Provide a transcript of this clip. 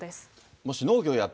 もし農業やっ